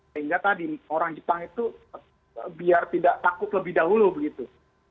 sehingga tadi orang jepang itu biar tidak takut lebih dahulu begitu